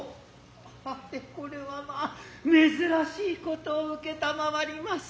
はて此はまあ珍しいことを承ります。